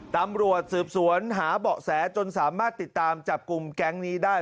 ตำรวจสืบสวนหาเบาะแสจนสามารถติดตามจับกลุ่มแก๊งนี้ได้